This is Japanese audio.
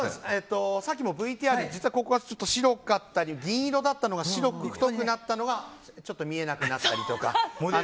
さっきのＶＴＲはここが白かったり銀色だったりとか白く太くなったのがちょっと見えなくなったりとか。